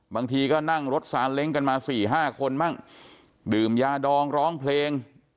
บางทีก็นั่งรถซาเล้งกันมาสี่ห้าคนมั่งดื่มยาดองร้องเพลง